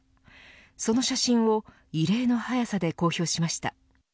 その写真を異例の早さで公表しました。